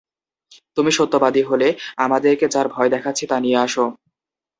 তুমি সত্যবাদী হলে আমাদেরকে যার ভয় দেখাচ্ছি তা নিয়ে আস।